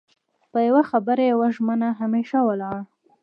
په يو خبره يوه ژمنه همېشه ولاړ